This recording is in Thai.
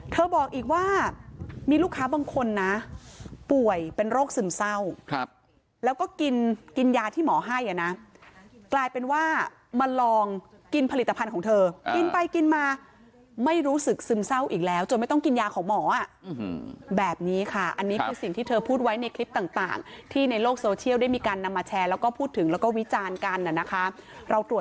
บอกอีกว่ามีลูกค้าบางคนนะป่วยเป็นโรคซึมเศร้าแล้วก็กินกินยาที่หมอให้อ่ะนะกลายเป็นว่ามาลองกินผลิตภัณฑ์ของเธอกินไปกินมาไม่รู้สึกซึมเศร้าอีกแล้วจนไม่ต้องกินยาของหมอแบบนี้ค่ะอันนี้คือสิ่งที่เธอพูดไว้ในคลิปต่างที่ในโลกโซเชียลได้มีการนำมาแชร์แล้วก็พูดถึงแล้วก็วิจารณ์กันนะคะเราตรวจ